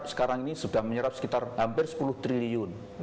sekarang ini sudah menyerap sekitar hampir sepuluh triliun